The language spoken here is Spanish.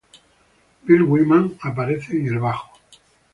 Bill Wyman aparece en el bajo.